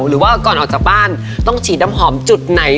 หรือว่าก่อนออกจากบ้านต้องฉีดน้ำหอมจุดไหน